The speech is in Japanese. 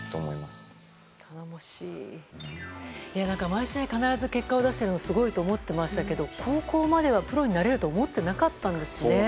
毎試合、必ず結果を出しているのすごいと思ってましたけど高校まではプロになれると思っていなかったんですね。